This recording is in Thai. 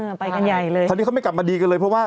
ไปกันใหญ่เลยคราวนี้เขาไม่กลับมาดีกันเลยเพราะว่า